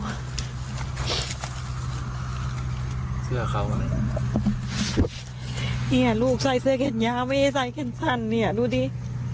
ไม่ใช่แก้นย้าไม่ใช่แก้นสั่นเนี่ยดูดิ